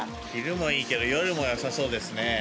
昼もいいけど、夜もよさそうですね。